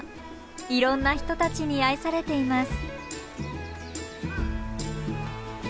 いろんな人たちに愛されています。